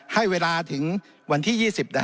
ให้เวลาถึงวันที่๒๐